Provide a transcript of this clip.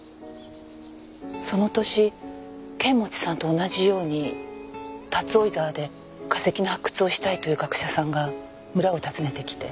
その年剣持さんと同じように竜追沢で化石の発掘をしたいという学者さんが村を訪ねてきて。